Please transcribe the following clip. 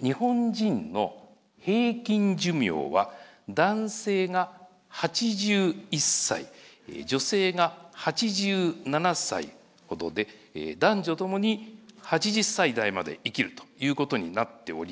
日本人の平均寿命は男性が８１歳女性が８７歳ほどで男女ともに８０歳台まで生きるということになっております。